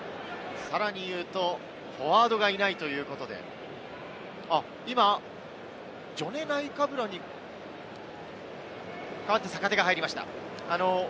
さらに言うとフォワードがいないということで、今、ジョネ・ナイカブラに代わって坂手が入りました。